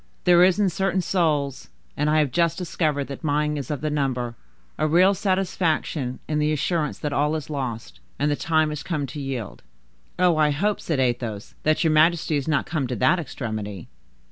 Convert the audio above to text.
There is in certain souls,—and I have just discovered that mine is of the number,—a real satisfaction in the assurance that all is lost, and the time is come to yield." "Oh, I hope," said Athos, "that your majesty is not come to that extremity."